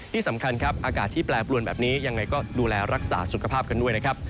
ที่สำคัญครับอากาศที่แปรปรวนแบบนี้ยังไงก็ดูแลรักษาสุขภาพกันด้วยนะครับ